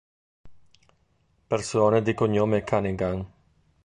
Persone di cognome Cunningham